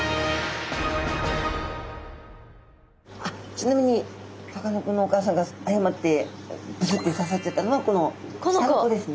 ちなみにさかなクンのお母さんが誤ってぶすっと刺さっちゃったのはこの下の子ですね。